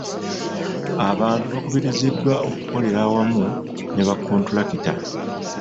Abantu bakubiriziddwa okukolera awamu ne ba kontulakita.